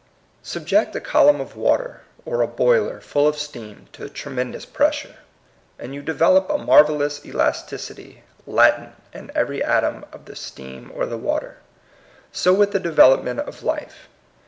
Subject a column of water or a boiler full of steam to tremendous pressure, and « you develop a marvellous elasticity latent in every atom of the steam or the water. So with the development of life.